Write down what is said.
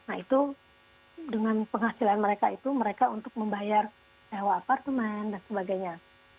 nah itu dengan penghasilan mereka itu mereka untuk membayar sewa apartemen dan sebagainya